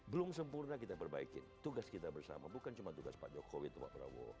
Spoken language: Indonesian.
belum sempurna kita perbaikin tugas kita bersama bukan cuma tugas pak jokowi atau pak prabowo